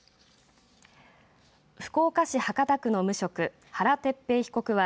福岡市博多区の無職原鉄平被告は